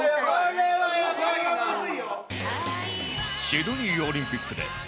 シドニーオリンピックで Ｑ ちゃん